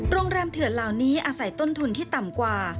เถื่อนเหล่านี้อาศัยต้นทุนที่ต่ำกว่า